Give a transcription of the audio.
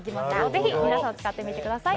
ぜひ皆さん使ってみてください